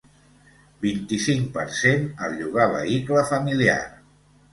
Vint-i-cinc per cent al llogar vehicle familiar.